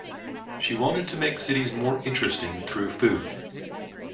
She wanted to make cities more interesting through food.